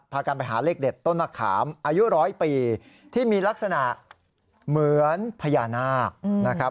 กันไปหาเลขเด็ดต้นมะขามอายุร้อยปีที่มีลักษณะเหมือนพญานาคนะครับ